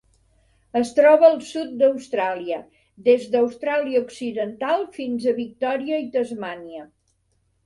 Es troba al sud d'Austràlia: des d'Austràlia Occidental fins a Victòria i Tasmània.